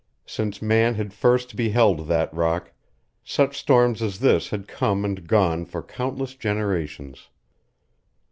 Since man had first beheld that rock such storms as this had come and gone for countless generations.